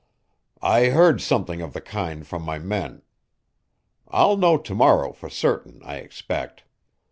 "I heard something of the kind from my men. I'll know to morrow for certain, I expect.